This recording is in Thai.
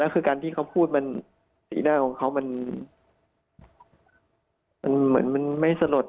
ก็คือการที่เขาพูดมันสีหน้าของเขามันเหมือนมันไม่สลด